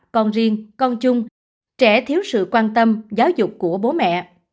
còn riêng con chung trẻ thiếu sự quan tâm giáo dục của bố mẹ